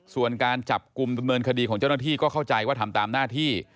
ส่วนการจับกลุ่มดำเนินคดีของเจ้าหน้าที่ก็เข้าใจว่าทำตามหน้าที่